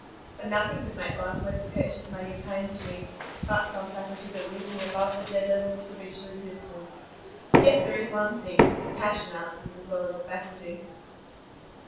But nothing could make life worth the purchase money of pain to me, but some faculty that would lift me above the dead level of provincial existence. Yes, there is one thing,—a passion answers as well as a faculty."